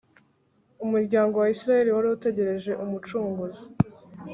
umuryango wa isiraheli wari utegereje umucunguzi